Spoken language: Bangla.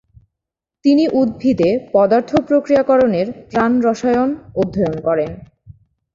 তিনি উদ্ভিদে পদার্থ প্রক্রিয়াকরণের প্রাণরসায়ন অধ্যয়ন করেন।